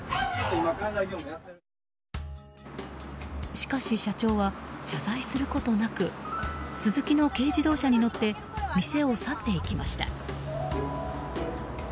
しかし社長は謝罪することなくスズキの軽自動車に乗って店を去っていきました。